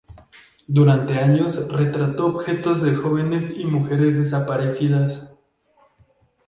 Durante años retrató objetos de jóvenes y mujeres desaparecidas.